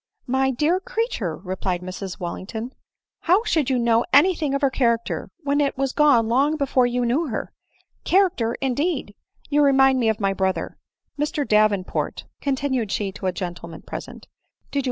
" My dear creature !" replied Mrs Wallington, " how should you know any thing of her character, when it was gone long before you knew her? — Character, in deed ! you remind me of my brother Mr Daven? port," continued she to a gentleman present, " did you 24 274 ADELINE MOWBRAY.